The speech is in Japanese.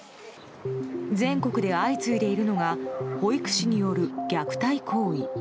全国で相次いでいるのが保育士による虐待行為。